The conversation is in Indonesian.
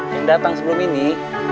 yang datang sebelum ini